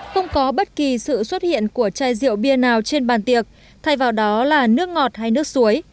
không có bất kỳ sự xuất hiện của chai rượu bia nào trên bàn tiệc thay vào đó là nước ngọt hay nước suối